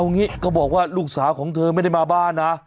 งี้ก็บอกว่าลูกสาวของเธอไม่ได้มาบ้านนะ